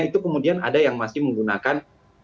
itu kemudian ada yang masih menggunakan